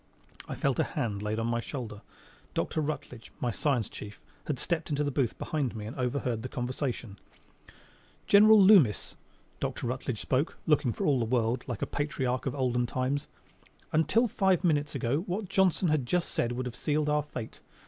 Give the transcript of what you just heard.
I felt a hand laid on my shoulder. Dr. Rutledge, my science chief, had stepped into the booth behind me and overheard the conversation. "General Loomis," Dr. Rutledge spoke, looking for all the world like a patriarch of olden times, "until five minutes ago what Johnson has just said would have sealed our fate.